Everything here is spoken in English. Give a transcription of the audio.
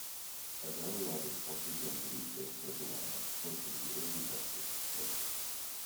Adele Roberts also joined the weekday schedule line-up, hosting the Early Breakfast show.